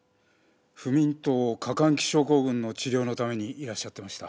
不眠と過換気症候群の治療のためにいらっしゃってました。